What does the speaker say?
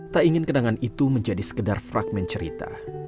tak ingin kenangan itu menjadi sekedar fragment cerita